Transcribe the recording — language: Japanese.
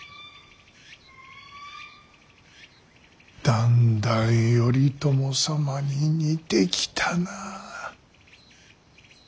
だんだん頼朝様に似てきたな。